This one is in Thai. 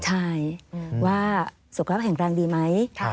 ใช่ว่าสุขภาพแข็งแรงดีไหม